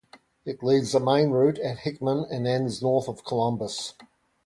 It leaves the main route at Hickman and ends north of Columbus.